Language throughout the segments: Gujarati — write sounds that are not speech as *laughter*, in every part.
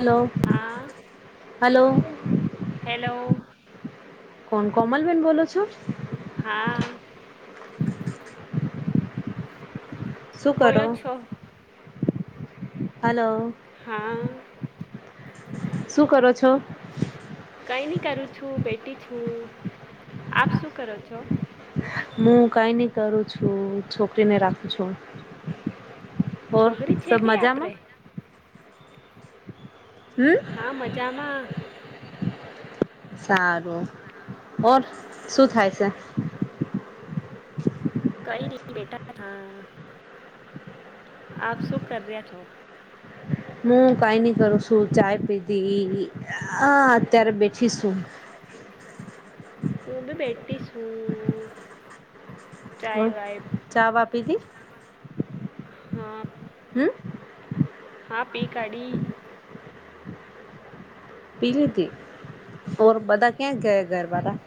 હલો હા હલો. હેલો કોણ કોમલ બેન બોલો છો? હા. શું કરો બોલો છો હલો હા શું કરો છો? કઈની કરું છું, બેઠી છું, આપ શું કરો છો? હું કાંઈ નઈ કરું છું, છોકરીને રાખું છું. ઓર છોકરી છે સબ કઈ આપણે મજામાં. હમ હા મજામાં સારું, ઓર શું થાય છે? કઈ નઈ બેઠા હતા. આપ શું કર રહ્યા છો? હું કાંઇની કરું છું ચાય પીધી હ અત્યારે બેઠીશું હું બી બેઠી છું હ ચાય વાય ચા વા પીધી? હા હમ્મ હા પી કાડી. પી લીધી, ઓર બધા ક્યાં ગયા ઘરવાળા?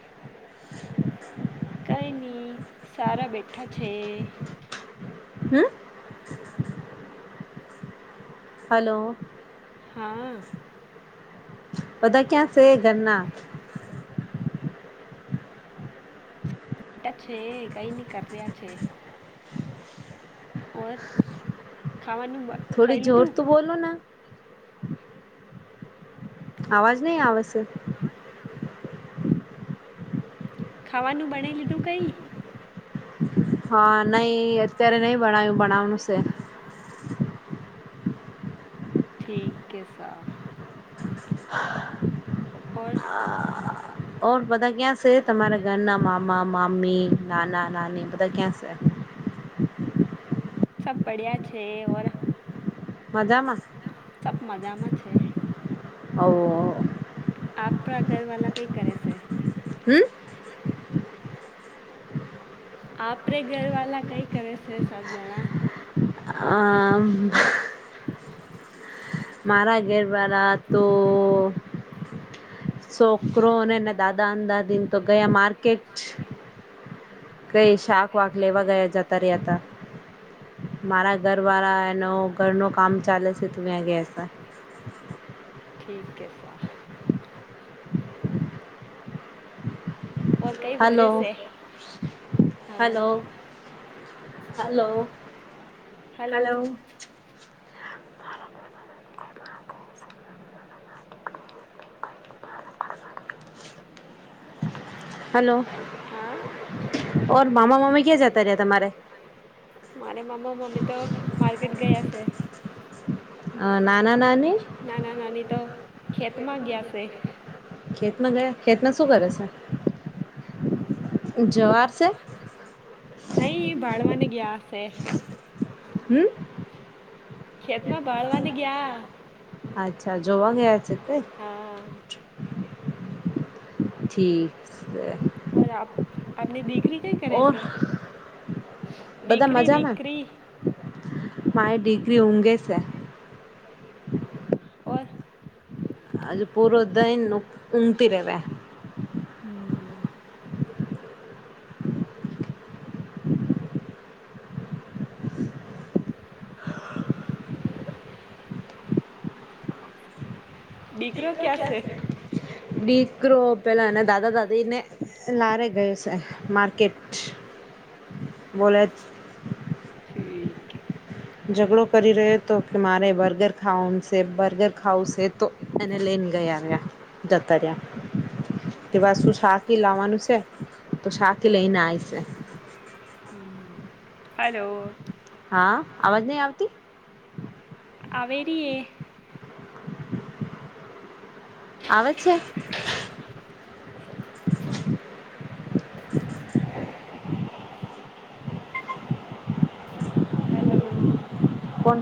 કઈની સારા બેઠા છે. હમ્મ હલો હા બધા ક્યાં છે ઘરના? બેઠા છે, કઈ ન કર રહ્યા છે? ઓર ખાવાનું બ- થોડી ખાઈ જોર લીધું તું બોલોને અવાજ નહી આવેશે. ખાવાનું બના લીધું કઈ હા નહી અત્યારે નહી બણાયું બનાવાનું સે. ઠીક કે સા *inaudible* ઓર. ઓર બધા ક્યાં છે? મારા ઘરના મામા મામી, નાના નાની, બધા ક્યાં છે? *inaudible* સબ બડિયા છે ઓર મજામાં. સબ મજામાં છે આવો અ આપણા ઘર વાલા કઈ કરે છે. હમ. આપરે ઘર વાલા કઈ કરે છે સબ જણા આમ. મારા ઘેર વારા તો શોકરો અને એના દાદા અં દાદીન તો ગયા મારકેટ કઈ શાક વાક લેવા ગયા જતા રહ્યા હતા મારા ઘર વાળા એનો ઘરનો કામ ચાલે છે તો ત્યાં ગયા છે. તા ઠીક કે સા ઓર કંઈ હો હાલો રહ્યો છે હા હાલો. હાલો હલો હાલો. હાલો. હા મામા મામી ક્યાં જતા રહ્યા તમારે મારે મામા મામી તો માર્કેટ ગયા છે. અ નાના નાની તે ખેતમાં ગયા ખેતમાં શું કરે છે. જવાબ છે. નહી ભાળમાની ગીયા શે હમ. ખેતમાં ભાળવાની ગયા અચ્છા જવા ગયા છે તે હા ઠીક છે. ઓર આપ આપને દીકરી તે કરે ઓર છે બધા દીકરી મજામાં દીકરી મારી દીકરી ઊંઘે છે. હા ઓર. હજો પૂરો દયન ઊગતી રેવા હમ. દીકરો ક્યાં છે. દીકરો પેલા દાદા દાદીને લારે ગયો છે માર્કેટ બોલે. એકક. ઝઘડો કરી રહ્યો તો કે મારે બર્ગર ખાવુ છે, બર્ગર ખાવું છે, તો એને લઈને ગયા જતા રીયા કેવા શું શાકી લાવવાનું છે, તો શાકી લઈને આય છે. હાલો. હા અવાજ નય આવતી આવે રી એે આવે છેે. હલો. કોણ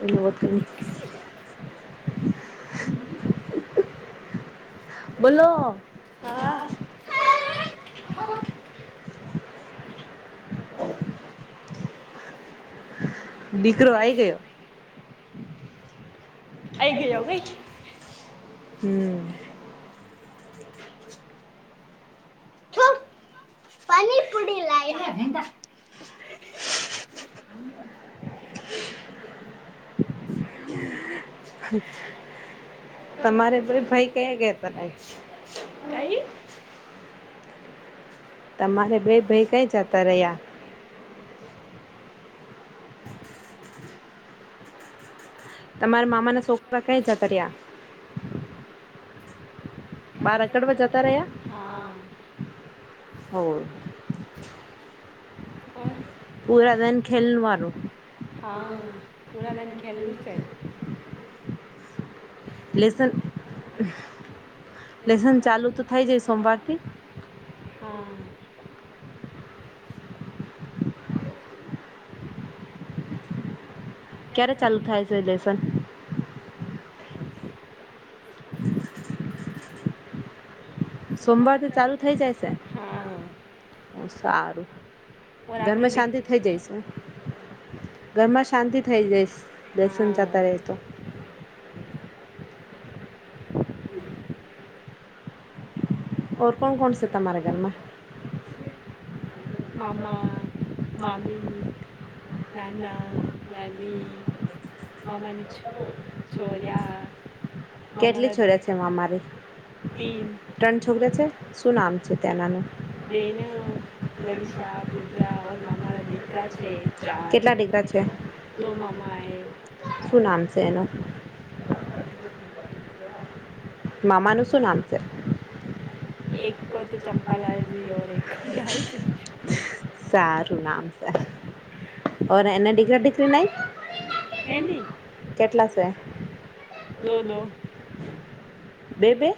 એ *inaudible* કરની બોલો હા *inaudible* દીકરો આઈ ગયો આઈ ગયો જાગઈ હમ્ ચુપ પનીપુડી લઈ *unintelligible* તમારે ભાઈ ભાઈ કયા ગયા ત કઈ તમારે ભાઈ ભાઈ કઈ જતા રહ્યા તમારા મામાના છોખ કઈ *inaudible* કર્યા બારકડમાં જતા હા રહ્યા હો ઓર પુરા દન ખેલ વાનું હા પુરા દન ખેલલું છે લેસન લેસન ચાલુ તો થાય જાય સોમવારથી હા *inaudible* ક્યારે ચાલુ થાય છે લેસન *unintelligible* સોમવાર તો ચાલુ થઇ જાય હા છે સારું ઓર ધરમ આપડે દી શાંતિ થઇ જાય છે ઘરમાં શાંતિ થઈ લેસન હા જતા રહેતો *inaudible* *unintelligible* ઓર કોણ કોણ સ તામાંરા ઘરમાં મામા મામી નાના નાની મમની છો છોર્યા કેટલી મામાના છોરે છે એ અમારી તીન ત્રણ છોરી શું નામ છે તેનાનું બેન લવિશા પૂજા મમા રદી અકરા છે ચાર કેટલા દીકરા છે દો મામાએ શું નામ છે એનો મમાનું શું નામ છે એકકો તો ચંપા લાલ જી ર એક દાલ ચંદ જી સારું નામ સરર ઔર એના ડિગરાિગ્રી નહિ હેની કેટલા છે દો બે બે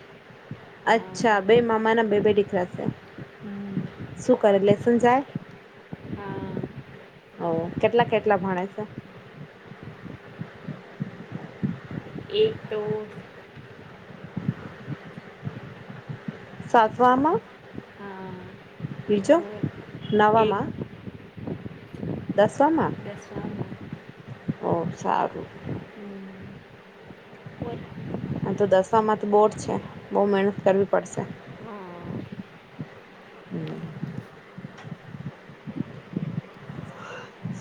અચ્છા હા બે મામા ના બે બે દીખરાશે હમ, શું કરે લસન જાય હો કેટલા કેટલા ભણે છે એક તો સાસવાવામાં બીજો નાવામાં દસવામાં ઓ સારું આ તો દશામાં તો બોર્ડ છે બહુ મહેનત કરવી પડશે હમ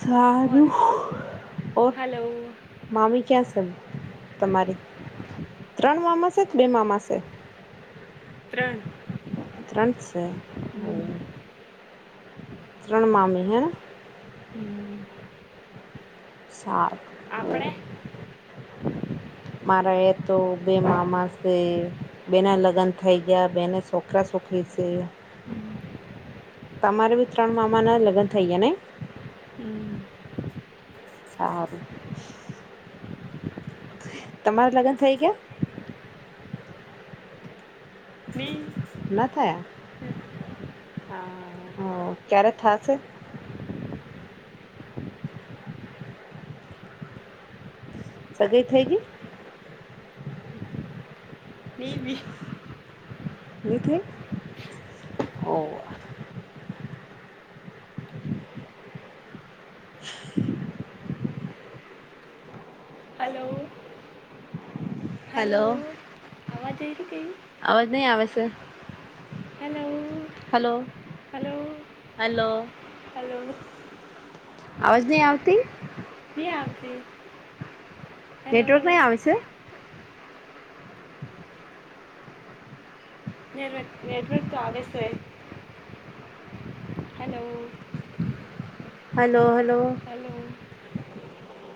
સારું ઓર હલો મામી ક્યાં સર તમારી ત્રણ મામાસે કે બે મામાસે? ત્રણ ત્રણ સે ત્રણ માામી હેના? સા આપણે મારા એ તો બે મામા છે બે ના લગ્ન થઈ ગયા બેને છોકરા છોકરી સે હમ્મ તમારે બી ત્રણ મામાના લગ્ન થઈ ગયા ને? સારુ તમારા લગન થઈ ગયા? ની ના થયા? હ હા ક્યારે થાશે? સગાઈ થઈ ગઈ? મેં બી નઈ થઈ હો હ હલો હલો અવાજ આ રહી કઈ? નઈ આવસ hello hello hello hello hello અવાજ નઈ આવતી? નઈ આવતી હેલો નેટવર્ક નહી આવશે નેટવર્ક નેટવર્ક તો આવે સે hello hello hello hello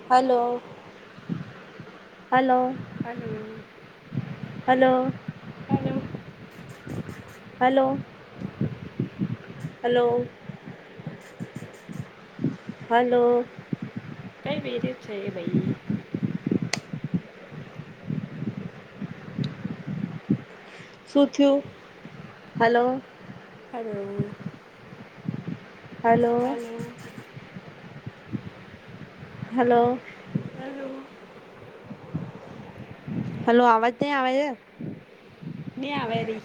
hello hello hello hello hello hello hello hello કઈ વેરે જ છે એ બઈ શું થયું hello hello hello hello hello hello અવાજ નહી આવે એ ને આવે રી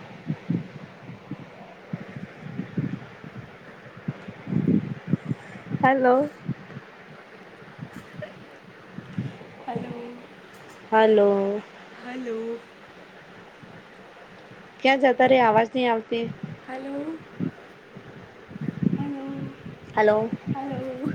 *inaudible* હલો હલો હલો હલો ક્યાં જતા રે અવાજ નહ આવતી હલોલો હલો હલો